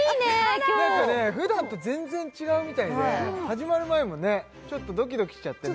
今日なんかねふだんと全然違うみたいで始まる前もねちょっとドキドキしちゃってね